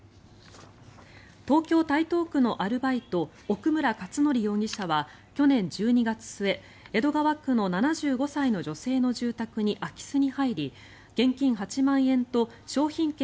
東京・台東区のアルバイト奥村勝典容疑者は去年１２月末江戸川区の７５歳の女性の住宅に空き巣に入り、現金８万円と商品券